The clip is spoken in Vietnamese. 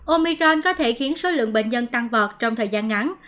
omiron có thể khiến số lượng bệnh nhân tăng vọt trong thời gian ngắn